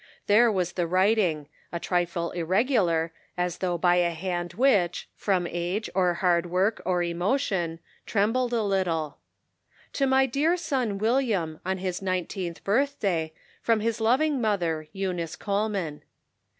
There was the writing, a trifle irregular, as though by a hand which, from age or hard work or emotion, trembled a little :" To iny dear son William, on his nineteenth birthday. From his loving mother, Eunice Coleman."